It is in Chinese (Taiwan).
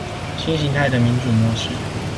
新型態的民主模式